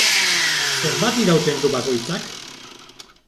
Zenbat irauten du bakoitzak?